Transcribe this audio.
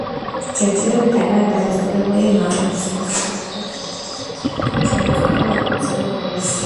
ჯერჯერობით არაა დადასტურებული, იმავე მუსიკოსებთან ერთად თუ ჩაიწერება ოფიციალური ვერსია.